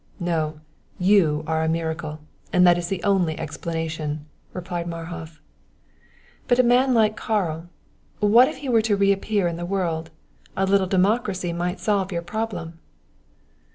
"No; you are a miracle that is the only explanation," replied Marhof. "But a man like Karl what if he were to reappear in the world! A little democracy might solve your problem."